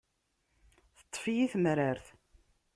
Teṭṭef-iyi temrart.